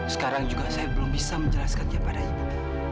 sekarang juga saya belum bisa menjelaskannya pada ibu